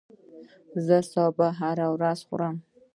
زه سابه هره ورځ خورم